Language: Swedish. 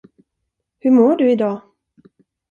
Hur mår du i dag?